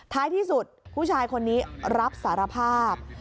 ท้ายที่สุดผู้ชายคนนี้รับสารภาพ